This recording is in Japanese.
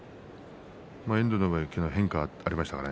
遠藤の場合昨日変化がありましたからね。